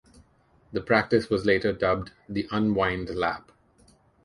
The practice was later dubbed, "The Unwind Lap".